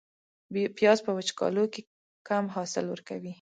پیاز په وچکالو کې کم حاصل ورکوي